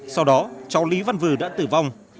sau đó cháu lý văn vừa đã tử vong